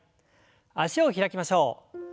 脚を開きましょう。